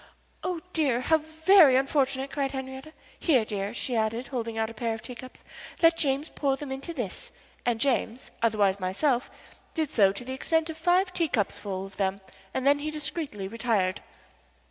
"Oh, dear, how very unfortunate!" cried Henriette. "Here, dear," she added, holding out a pair of teacups. "Let James pour them into this," and James, otherwise myself, did so to the extent of five teacups full of them and then he discreetly retired.